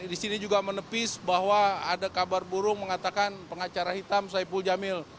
di sini juga menepis bahwa ada kabar burung mengatakan pengacara hitam saipul jamil